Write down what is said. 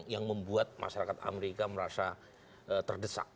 yang membuat masyarakat amerika merasa terdesak